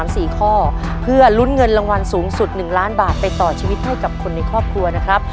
สวัสดีครับ